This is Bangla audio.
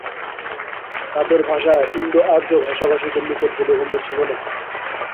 তাদের ভাষা ইন্দো-আর্য ভাষাভাষীদের নিকট বোধগম্য ছিল না।